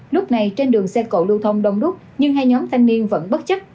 lúc này trên đường xe cộ lưu thông đông đúc nhưng hai nhóm thanh niên vẫn bất chấp